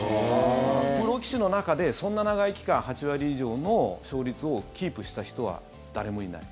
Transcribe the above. プロ棋士の中で、そんな長い期間８割以上の勝率をキープした人は誰もいない。